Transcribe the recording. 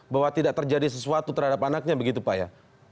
bahwa tidak terjadi sesuatu terhadap anaknya begitu pak ya